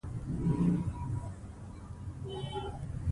غازیان د تورو او ډالونو سره راوړل.